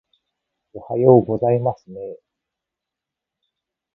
おはようございますねー